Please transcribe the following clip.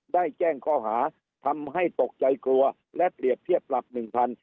แจ้งข้อหาทำให้ตกใจกลัวและเปรียบเทียบปรับหนึ่งพัน